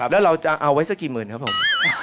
แล้วเราจะเอาไว้สักกี่หมื่นครับผม